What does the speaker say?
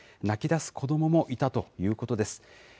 泣きだす子どももいたということです。